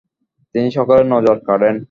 তিনি সকলের নজর কাড়েন।